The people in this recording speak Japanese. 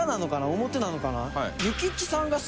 表なのかな？